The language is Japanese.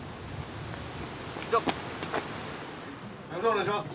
お願いします。